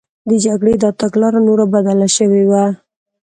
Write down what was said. د جګړې دا تګلاره نوره بدله شوې وه